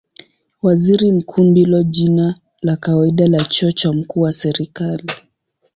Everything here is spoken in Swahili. Waziri Mkuu ndilo jina la kawaida la cheo cha mkuu wa serikali.